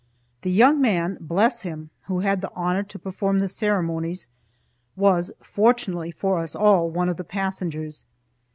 The young man bless him who had the honor to perform the ceremonies, was, fortunately for us all, one of the passengers.